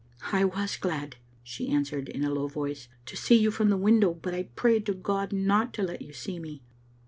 "I was glad," she answered in a Icrw voice, "to see you from the window, but I prayed to God not to let you see me."